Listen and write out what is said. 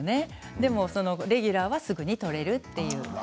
でもレギュラーはすぐに取れる。